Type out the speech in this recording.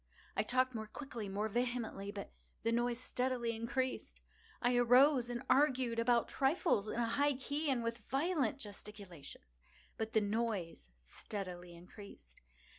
I talked more quickly—more vehemently; but the noise steadily increased. I arose and argued about trifles, in a high key and with violent gesticulations; but the noise steadily increased.